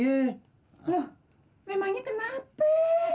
loh memangnya kenapa